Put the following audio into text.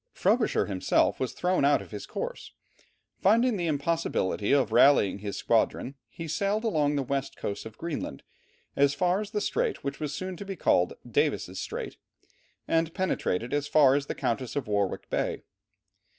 Frobisher himself was thrown out of his course. Finding the impossibility of rallying his squadron, he sailed along the west coast of Greenland, as far as the strait which was soon to be called Davis' Strait, and penetrated as far as the Countess of Warwick Bay.